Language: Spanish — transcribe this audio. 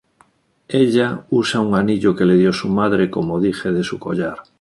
Ella usa un anillo que le dio su madre como dije de su collar.